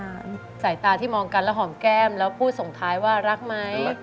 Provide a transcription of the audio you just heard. สายตาที่มองกันแล้วหอมแก้มแล้วพูดส่งท้ายว่ารักไหม